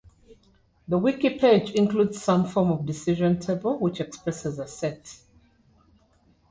The wiki page includes some form of decision table which expresses a test.